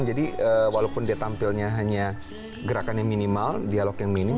jadi walaupun dia tampilnya hanya gerakan yang minimal dialog yang minim